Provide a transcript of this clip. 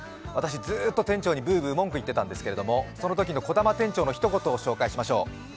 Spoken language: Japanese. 私、ずっと店長にブーブー文句を言っていたんですけれども、そのときの店長のひと言を紹介しましょう。